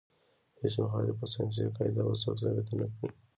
هیڅ مخالفه ساینسي قاعده به څوک ثابته نه کړي.